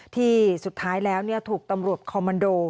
ที่สุดท้ายแล้วถูกตำรวจคอมมันโด